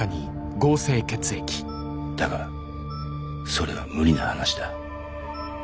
だがそれは無理な話だ。